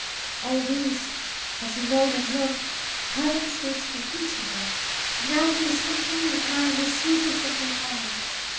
"All these has he known and loved, culling sweets from each of them. But now he has come to me, and I am the sweetest of them all."